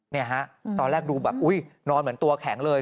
เนี่ยฮะตอนแรกดูแบบอุ๊ยนอนเหมือนตัวแข็งเลย